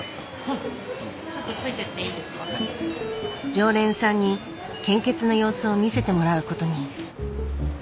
常連さんに献血の様子を見せてもらうことに。